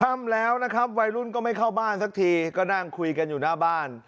ค่ำแล้วนะครับวัยรุ่นก็ไม่เข้าบ้านสักทีก็นั่งคุยกันอยู่หน้าบ้าน